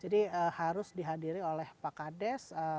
jadi harus dihadiri oleh pakades kadus rtrw dan tokoh masyarakat setelah itu